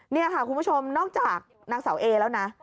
นี่ค่ะคุณผู้ชมนอกจากนางสาวเอแล้วนะ